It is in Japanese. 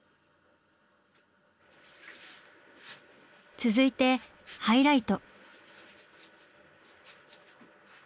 続いてハイライト。